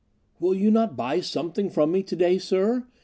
"Will you not buy something from me to day, sir?